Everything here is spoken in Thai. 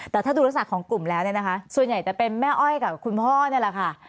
แต่ถ้าดูลักษณะของกลุ่มแล้วเนี่ยนะคะส่วนใหญ่จะเป็นแม่อ้อยกับคุณพ่อนี่แหละค่ะ